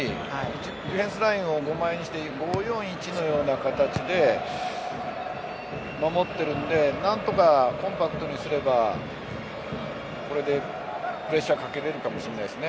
ディフェンスラインを５枚にして５−４−１のような形で守っているので何とかコンパクトにすればこれでプレッシャーをかけられるかもしれないですね。